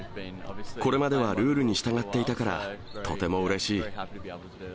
これまではルールに従っていたから、とてもうれしい。